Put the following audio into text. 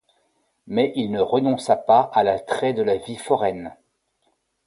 Mais il ne renonça pas à l'attrait de la vie foraine.